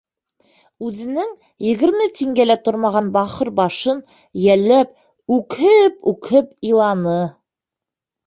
Үҙенең егерме тингә лә тормаған бахыр башын йәлләп үкһеп-үкһеп иланы.